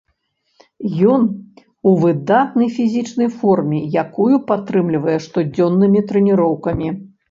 Ён у выдатнай фізічнай форме, якую падтрымлівае штодзённымі трэніроўкамі.